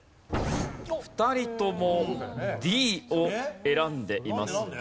２人ともＤを選んでいますが。